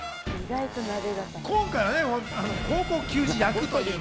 今回、高校球児役という。